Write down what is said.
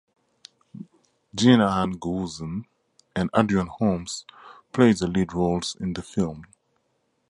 Jeananne Goossen and Adrian Holmes played the lead roles in the film.